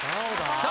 さあ！